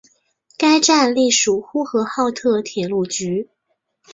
该站隶属呼和浩特铁路局。